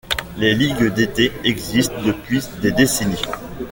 Les ligues d'été existent depuis des décennies.